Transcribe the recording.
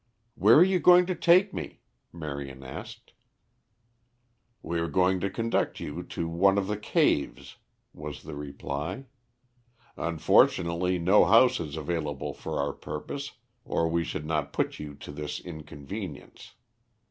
"Where are you going to take me?" Marion asked. "We are going to conduct you to one of the caves," was the reply. "Unfortunately no house is available for our purpose, or we should not put you to this inconvenience.